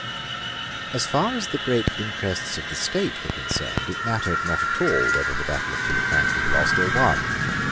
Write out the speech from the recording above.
As far as the great interests of the State were concerned, it mattered not at all whether the battle of Killiecrankie were lost or won.